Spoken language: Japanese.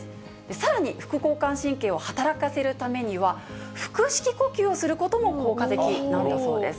さらに副交感神経を働かせるためには、腹式呼吸をすることも効果的なんだそうです。